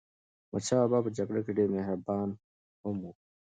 احمدشاه بابا په جګړه کې ډېر مهربان هم و.